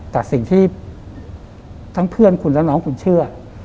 แต่สิ่งที่ทั้งเพื่อนคุณและน้องคุณเชื่อ